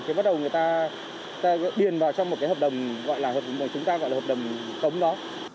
thì bắt đầu người ta điền vào trong một cái hợp đồng gọi là chúng ta gọi là hợp đồng cống đó